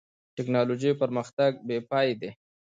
د ټکنالوجۍ پرمختګ بېپای دی.